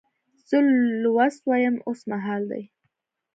زه لوست وایم اوس مهال دی.